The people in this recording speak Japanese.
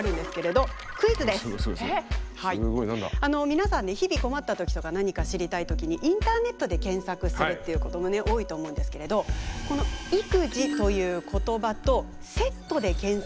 皆さん日々困った時とか何か知りたい時にインターネットで検索するということもね多いと思うんですけれどこの育児という言葉とセットで検索されている言葉のランキング。